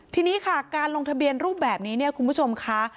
ทีนี้ค่ะการลงทะเบียนรูปแบบนี้เนี่ยคุณผู้ชมค่ะ